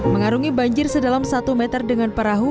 mengarungi banjir sedalam satu meter dengan perahu